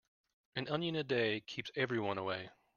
An onion a day keeps everyone away.